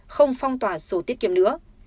không phong tỏa sổ tiết kiệm nữa